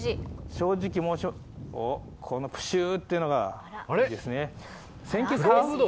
このプシューっていうのがいいですね。